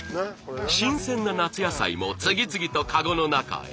新鮮な夏野菜も次々とカゴの中へ。